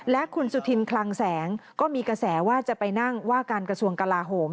และคุณสุธินคลังแสงก็มีกระแสว่าจะไปนั่งว่าการกระทรวงกลาโหม